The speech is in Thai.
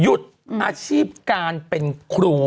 หยุดอาชีพการเป็นครู